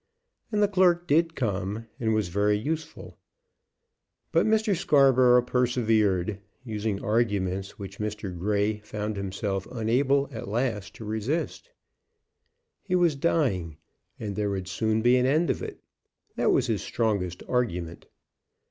And the clerk did come and was very useful. But Mr. Scarborough persevered, using arguments which Mr. Grey found himself unable at last to resist. He was dying, and there would soon be an end of it. That was his strongest argument.